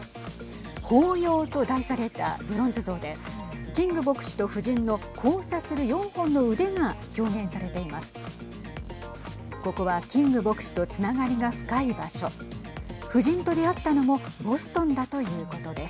抱擁と題されたブロンズ像でキング牧師と夫人の交差する４本の腕が表現されています。